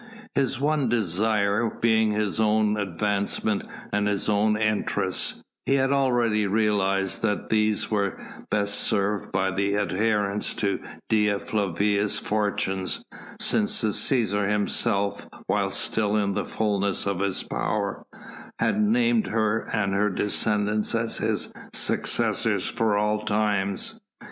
His one desire being his own advancement and his own interests, he had already realised that these were best served by adherence to Dea Flavia's fortunes, since the Cæsar himself, whilst still in the fulness of his power had named her and her descendants as his successors for all times.